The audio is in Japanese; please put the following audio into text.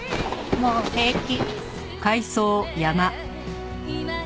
もう平気。